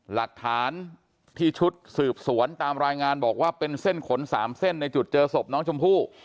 หลักฐานที่ชุดสืบสวนตามรายงานบอกว่าเป็นเส้นขน๓เส้นในจุดเจอศพน้องชมพู่